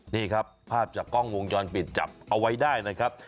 นี่ครับภาพจากกล้องวงจรปิดจับเอาไว้ได้นะครับ